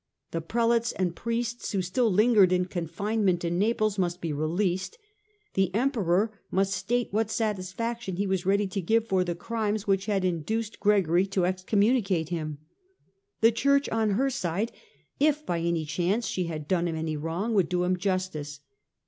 The prelates and priests who still lingered in confinement in Naples must be released. The Emperor must state what satisfaction he was ready to give for the crimes which had induced A NEW ENEMY 211 Gregory to excommunicate him. The Church on her side, if by any chance she had done him any wrong, would do him justice.